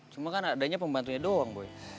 cuma kan adanya pembantunya doang boy